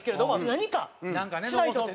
何かしないとって。